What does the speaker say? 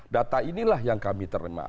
data inilah yang kami terima